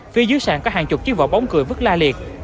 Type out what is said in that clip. phía dưới sàn có hàng chục chiếc vỏ bóng cười vứt la liệt